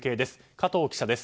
加藤記者です。